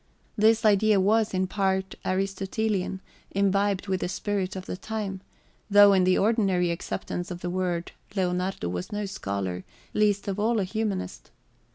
This idea was, in part, Aristotelian, imbibed with the spirit of the time; though in the ordinary acceptance of the word Leonardo was no scholar, least of all a humanist.